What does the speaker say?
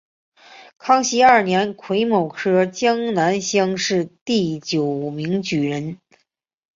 康熙二年癸卯科江南乡试第九名举人。